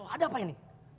ada apa ini